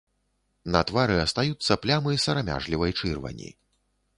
На твары астаюцца плямы сарамяжлівай чырвані.